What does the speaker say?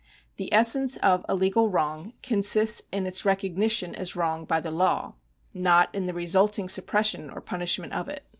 The essence of a legal wrong consists in its recognition as wrong by the law, not in the resulting suppression or punishment of it.